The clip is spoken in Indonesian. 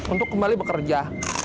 untuk kembali bekerja